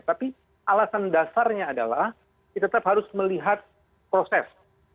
tapi alasan dasarnya adalah kita tetap harus melihat proses